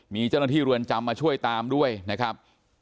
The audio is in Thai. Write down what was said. มีเจ้าหน้าที่เรือนจำมาช่วยตามด้วยนะครับ